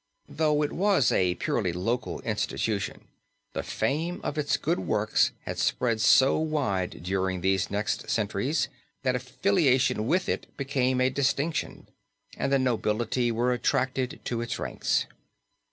Though it was a purely local institution, the fame of its good works had spread so wide during these next centuries that affiliation with it became a distinction, and the nobility were attracted to its ranks.